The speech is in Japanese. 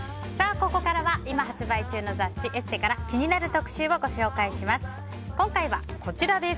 ここからは今発売中の雑誌「ＥＳＳＥ」から気になる特集をご紹介します。